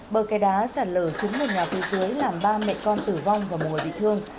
bờ kè đá sạt lở trúng một nhà phía dưới làm ba mẹ con tử vong và một người bị thương